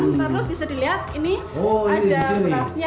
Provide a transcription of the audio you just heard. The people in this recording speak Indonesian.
terus bisa dilihat ini ada berasnya